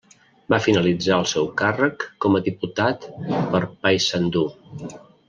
Va finalitzar el seu càrrec com a diputat per Paysandú.